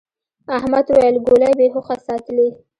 احمد وويل: گولۍ بې هوښه ساتلې.